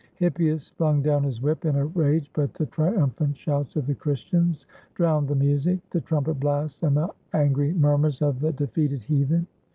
Hippias flung down his whip in a rage, but the tri umphant shouts of the Christians drowned the music, the trumpet blasts, and the angry murmurs of the de feated heathen.